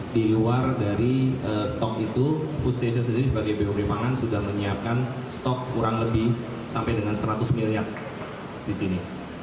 di luar dari stok itu food station sendiri sebagai bubb pangan sudah menyiapkan stok kurang lebih sampai dengan seratus miliar di sini